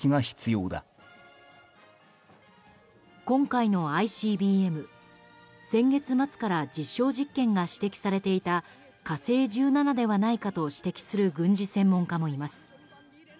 今回のＩＣＢＭ、先月末から実証実験が指摘されていた「火星１７」ではないかと指摘する軍事専門家もいます。